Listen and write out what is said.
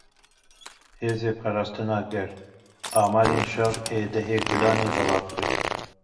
Hêzên Parastina Gel, amarên şer ên dehê Gulanê belav kir.